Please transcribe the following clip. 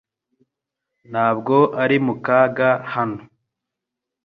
Ntabwo uri mu kaga hano .